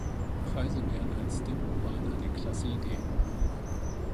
Preiselbeeren als Dip waren eine klasse Idee!